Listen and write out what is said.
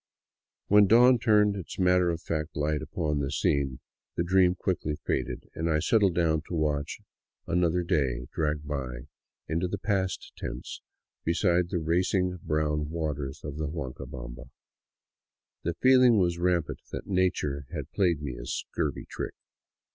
When dawn turned its matter of fact Hght upon the scene, the dream quickly faded and I settled down to watch another day drag by into the past tense beside the racing brown waters of the Huancabamba. The feeling was rampant that nature had played me a scurvy trick.